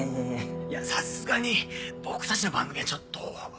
いやさすがに僕たちの番組はちょっと。